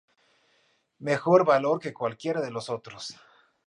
Mejor valor que cualquiera de los otros".